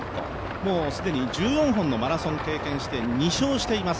もう既に１４本のマラソンを経験して２勝しています、